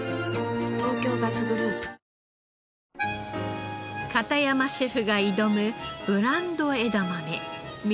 東京ガスグループ片山シェフが挑むブランド枝豆味